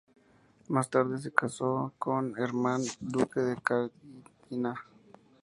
Más tarde se casó con Herman, duque de Carintia.